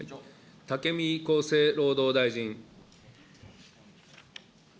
武見厚生労働大臣。